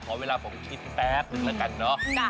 ขอเวลาผมคิดแป๊บนึงแล้วกันเนอะ